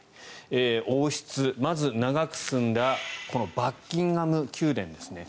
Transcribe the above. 王室、まず長く住んだこのバッキンガム宮殿ですね。